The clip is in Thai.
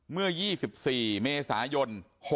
เมื่อ๒๔เมษายน๖๖